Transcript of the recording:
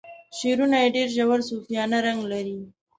شعرونه یې ډیر ژور صوفیانه رنګ لري.